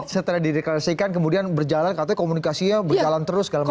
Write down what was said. setelah dideklarasikan kemudian berjalan katanya komunikasinya berjalan terus segala macam